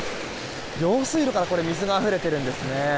用水路から水があふれているんですね。